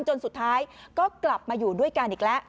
จนสุดท้ายก็กลับมาอยู่ด้วยกันอีกแล้ว